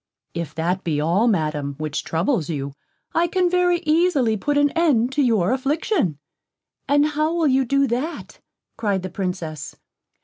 "If that be all, Madam, which troubles you, I can very easily put an end to your affliction." "And how will you do that?" cried the Princess.